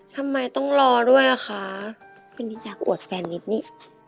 ทำไมต้องรอด้วยอ่ะคะคุณนิดอยากอวดแฟนนิดนี่